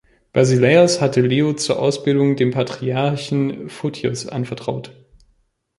Basileios hatte Leo zur Ausbildung dem Patriarchen Photios anvertraut.